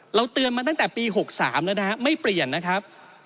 เตือนมาตั้งแต่ปี๖๓แล้วนะครับไม่เปลี่ยนนะครับ